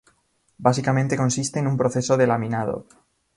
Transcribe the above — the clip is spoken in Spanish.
Básicamente consiste en un proceso de laminado.